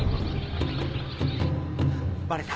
バレた！